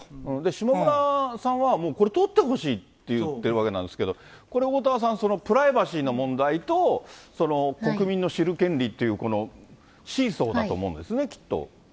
下村さんはもうこれ取ってほしいって言ってるわけなんですけど、これ、おおたわさん、プライバシーの問題と、国民の知る権利というシーソーだと思うんですね、きっと。